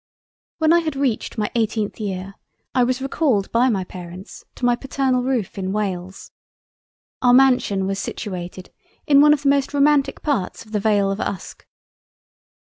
When I had reached my eighteenth Year I was recalled by my Parents to my paternal roof in Wales. Our mansion was situated in one of the most romantic parts of the Vale of Uske.